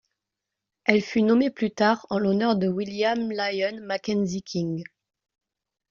Elle fut nommée plus tard en l'honneur de William Lyon Mackenzie King.